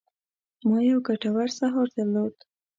ما یو ګټور سهار درلود.